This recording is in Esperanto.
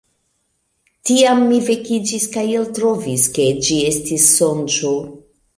Tiam mi vekiĝis, kaj eltrovis, ke ĝi estis sonĝo.